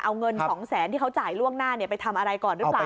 เอาเงิน๒แสนที่เขาจ่ายล่วงหน้าไปทำอะไรก่อนหรือเปล่า